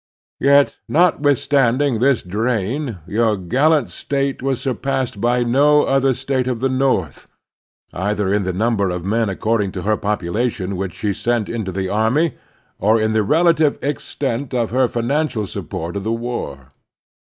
Yet, notwithstanding this drain, your gallant State was surpassed by no other State of the North, either in the ntmiber of men according to her population which she sent into the army, or in the relative extent of her financial support of the war.